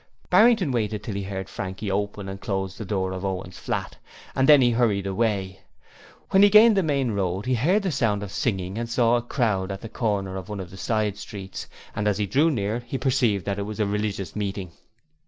Barrington waited till he heard Frankie open and close the door of Owen's flat, and then he hurried away. When he gained the main road he heard the sound of singing and saw a crowd at the corner of one of the side streets. As he drew near he perceived that it was a religious meeting.